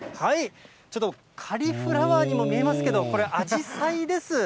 ちょっとカリフラワーにも見えますけれども、これ、あじさいです。